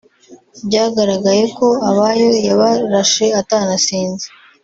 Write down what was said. byagaragaye ko Abayo yabarashe atanasinze